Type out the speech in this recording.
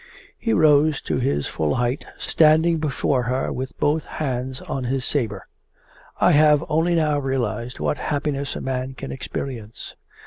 He rose to his full height, standing before her with both hands on his sabre. 'I have only now realized what happiness a man can experience!